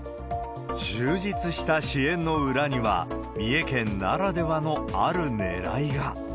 充実した支援の裏には、三重県ならではのある狙いが。